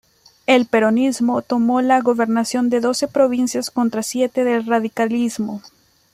El peronismo tomó la gobernación de doce provincias contra siete del radicalismo.